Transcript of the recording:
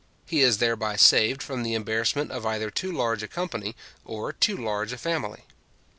He is thereby saved from the embarrassment of either too large a company, or too large a family.